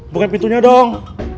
buka pintunya dong